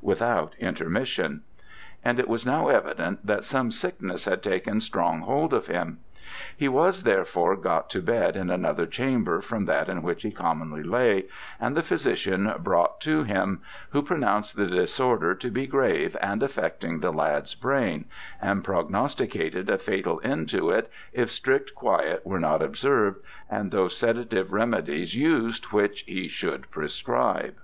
without intermission. And it was now evident that some sickness had taken strong hold of him. He was therefore got to bed in another chamber from that in which he commonly lay, and the physician brought to him: who pronounced the disorder to be grave and affecting the lad's brain, and prognosticated a fatal end to it if strict quiet were not observed, and those sedative remedies used which he should prescribe.